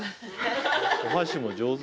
お箸も上手。